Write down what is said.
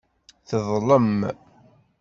Teḍlem.